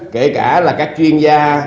kể cả là các chuyên gia